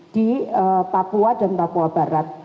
di papua dan papua barat